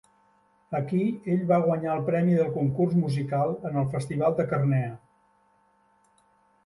Aquí ell va guanyar el premi del concurs musical en el festival de Carnea.